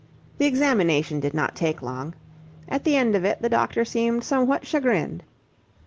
The examination did not take long. At the end of it the doctor seemed somewhat chagrined.